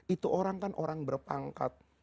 itu orang kan orang berpangkat